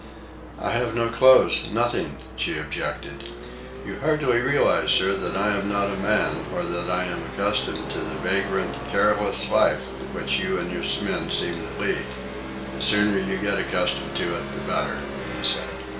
"I have no clothes, nothing," she objected. "You hardly realize, sir, that I am not a man, or that I am unaccustomed to the vagrant, careless life which you and your men seem to lead." "The sooner you get accustomed to it, the better," he said.